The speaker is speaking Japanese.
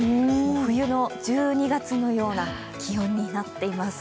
冬の１２月のような気温になっています。